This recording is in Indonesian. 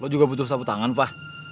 lo juga butuh sapu tangan pa